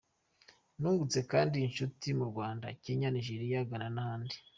Nungutse kandi inshuti mu Rwanda; Kenya; Nigeria, Ghana n’ahandi.